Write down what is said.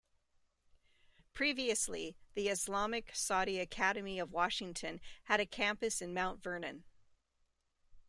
Previously The Islamic Saudi Academy of Washington had a campus in Mount Vernon.